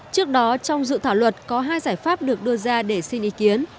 trước đó trong dự thảo luật có hai giải pháp được đưa ra để xin ý kiến